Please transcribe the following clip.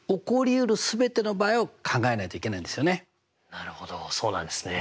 なるほどそうなんですね。